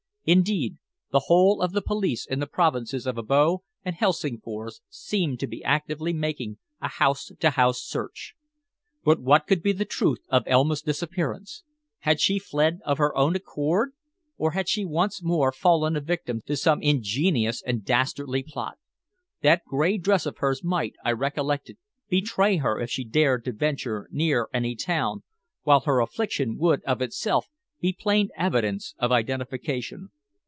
Indeed, the whole of the police in the provinces of Abo and of Helsingfors seemed to be actively making a house to house search. But what could be the truth of Elma's disappearance? Had she fled of her own accord, or had she once more fallen a victim to some ingenious and dastardly plot. That gray dress of hers might, I recollected, betray her if she dared to venture near any town, while her affliction would, of itself, be plain evidence of identification.